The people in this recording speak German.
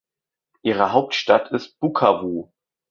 Ihre Hauptstadt ist Bukavu.